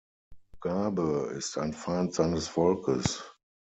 Mugabe ist ein Feind seines Volkes.